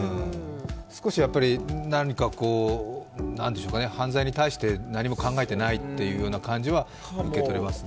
少し犯罪に対して何も考えていないという感じは受け取れますね。